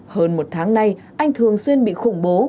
hơn một tháng nay anh thường xuyên bị khủng bố